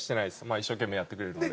一生懸命やってくれるので。